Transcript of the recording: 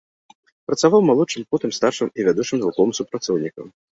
Працаваў малодшым, потым старшым і вядучым навуковым супрацоўнікам.